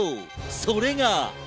それが。